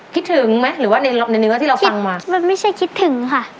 คิดถึงไหมหรือว่าในในเนื้อที่เราคิดมามันไม่ใช่คิดถึงค่ะ